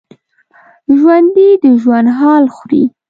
ژوندي د ژوند حال خوري